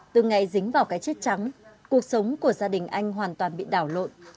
từ ngày dính vào cái chết trắng cuộc sống của gia đình anh hoàn toàn bị đảo lộn